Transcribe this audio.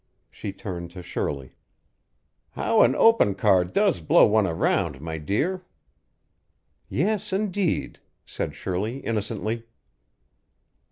She turned to Shirley. "How an open car does blow one around, my dear!" "Yes, indeed," said Shirley innocently.